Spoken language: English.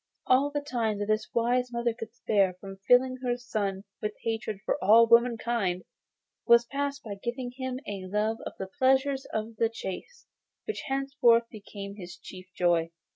All the time that this wise mother could spare from filling her son with hatred for all womenkind she passed in giving him a love of the pleasures of the chase, which henceforth became his chief joy.